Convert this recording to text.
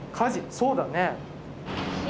そうだね。